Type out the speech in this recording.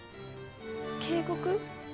警告？